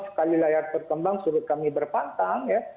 sekali layar terkembang suruh kami berpantang ya